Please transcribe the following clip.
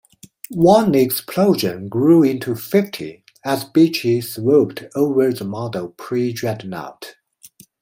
One explosion grew into fifty as Beachey swooped over the model predreadnought.